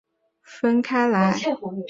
四氢大麻酚区分开来。